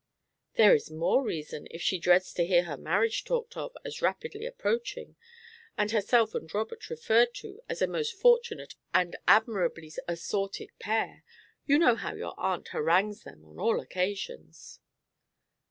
"There is more reason, if she dreads to hear her marriage talked of as rapidly approaching, and herself and Robert referred to as a most fortunate and admirably assorted pair you know how your aunt harangues them on all occasions."